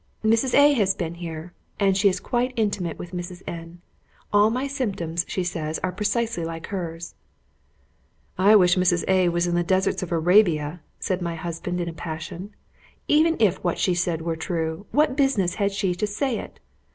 "Mrs. A has been here, and she is quite intimate with Mrs. N . All my symptoms, she says, are precisely like hers." "I wish Mrs. A was in the deserts of Arabia!" said my husband, in a passion. "Even if what she said were true, what business had she to say it?